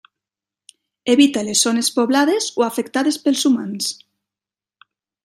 Evita les zones poblades o afectades pels humans.